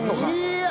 いや！